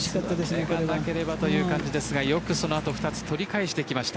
これがなければという感じですがよくその後、取り返してきました。